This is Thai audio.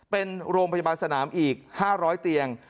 เป็นโรงพยาบาลสนามอีก๕๐๐เตียง